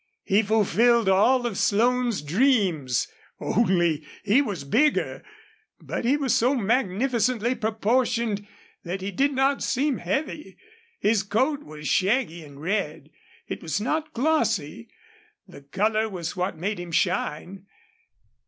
He fulfilled all of Slone's dreams. Only he was bigger. But he was so magnificently proportioned that he did not seem heavy. His coat was shaggy and red. It was not glossy. The color was what made him shine.